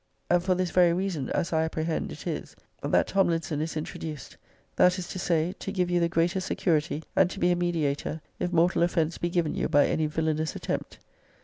And for this very reason (as I apprehend) it >>> is, that Tomlinson is introduced; that is to say, to give you the greater security, and to be a mediator, if mortal offence be given you by any villanous attempt.